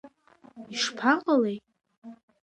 Ишԥаҟалеи?